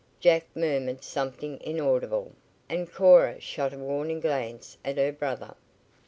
Jack murmured something inaudible, and Cora shot a warning glance at her brother.